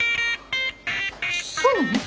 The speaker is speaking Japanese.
そうなの？